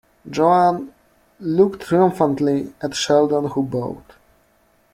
Joan looked triumphantly at Sheldon, who bowed.